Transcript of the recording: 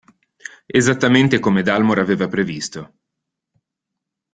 Esattamente come Dalmor aveva previsto.